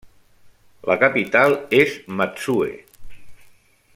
La capital és Matsue.